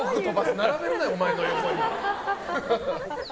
並べるな、お前の横に。